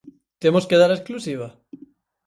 Temos que dar a exclusiva?